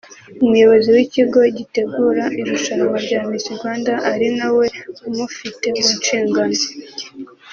umuyobozi w’ikigo gitegura irushanwa rya Miss Rwanda ari na we umufite mu nshingano